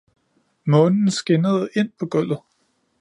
Månen skinnede ind på gulvet